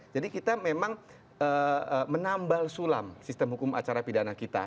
jadi kita memang menambal sulam sistem hukum acara pidana kita